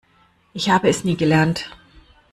Ich habe es nie gelernt.